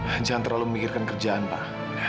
ah jangan terlalu memikirkan kerjaan pak